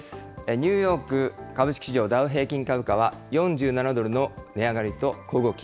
ニューヨーク株式市場、ダウ平均株価は４７ドルの値上がりと小動き。